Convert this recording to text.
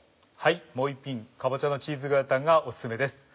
もう一品「かぼちゃのチーズグラタン」がオススメです。